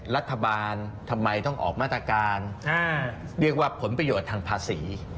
รัฐบาลทำไมต้องออกมาตรการเรียกว่าผลประโยชน์ทางภาษี